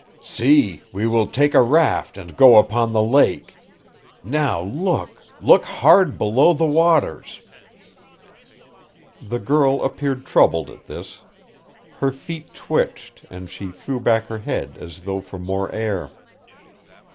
"See, we will take a raft and go upon the lake. Now look look hard below the waters." The girl appeared troubled at this. Her feet twitched and she threw back her head as though for more air.